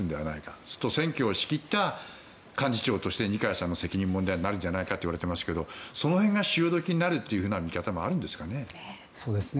そうすると選挙を仕切った幹事長として二階さんの責任問題になるんじゃないかといわれていますがその辺が潮時になるという見方もあるんですかね。